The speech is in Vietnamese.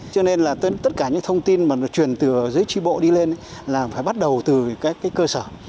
cho nên là tất cả những thông tin mà nó truyền từ dưới tri bộ đi lên là phải bắt đầu từ các cái cơ sở